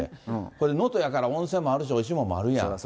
これ、能登やから温泉もあるし、おいしいものもあるやん。